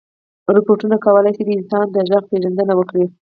روبوټونه کولی شي د انسان د غږ پېژندنه وکړي.